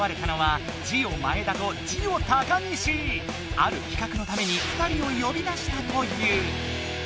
あるきかくのために２人をよび出したという。